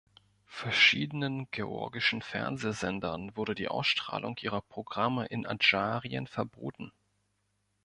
Verschiedenen georgischen Fernsehsendern wurde die Ausstrahlung ihrer Programme in Adscharien verboten.